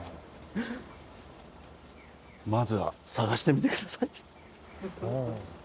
まずは探してみて下さい。